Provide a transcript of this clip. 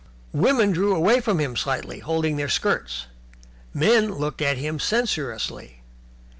Women drew away from him slightly, holding their skirts. Men looked at him censoriously.